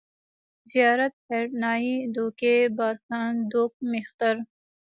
زيارت، هرنايي، دوکۍ، بارکن، دوگ، مېختر